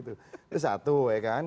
tuh satu ya kan